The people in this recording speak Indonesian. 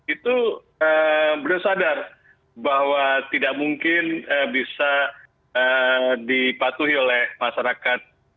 itu beliau sadar bahwa tidak mungkin bisa dipatuhi oleh masyarakat